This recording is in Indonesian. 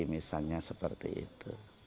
misalnya seperti itu